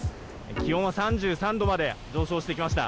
気温は３３度まで上昇してきました。